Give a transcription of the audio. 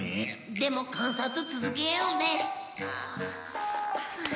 でも観察続けようね。